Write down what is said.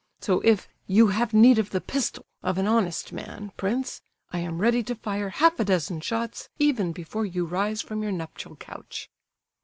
So if 'you have need of the pistol' of an honest man, prince, I am ready to fire half a dozen shots even before you rise from your nuptial couch!"